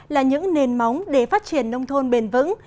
là những nền móng để phát triển nông thôn bền vững